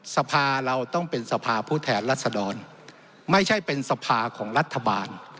สภาเราต้องเป็นสภาผู้แทนรัศดรไม่ใช่เป็นสภาของรัฐบาล